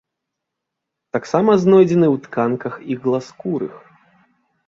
Таксама знойдзены ў тканках ігласкурых.